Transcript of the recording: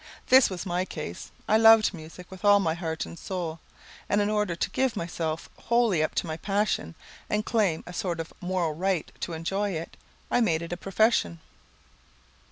This was my case. I loved music with all my heart and soul, and in order to give myself wholly up to my passion, and claim a sort of moral right to enjoy it, I made it a profession.